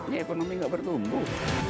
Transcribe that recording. demi allah saya bersumpah